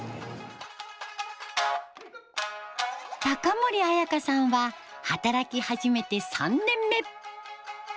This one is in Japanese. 森彩花さんは働き始めて３年目。